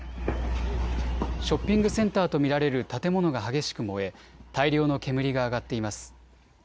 ショッピングセンターと見られる建物が激しく燃え大量の煙が上がっています。